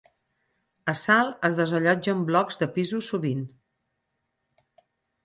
A Salt es desallotgen blocs de pisos sovint.